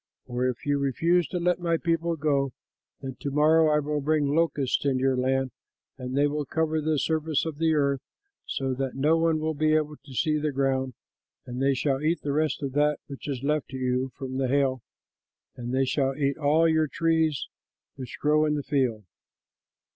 For if you refuse to let my people go, then to morrow I will bring locusts into your land, and they will cover the surface of the earth, so that no one will be able to see the ground, and they shall eat the rest of that which is left to you from the hail, and they shall eat all your trees which grow in the field.'"